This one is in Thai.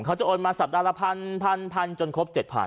เขาจะโอนมาสัปดาห์ละพันพันพันจนครบ๗๐๐๐บาท